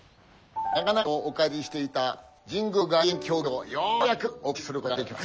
長々とお借りしていた神宮外苑競技場をようやくお返しすることができます。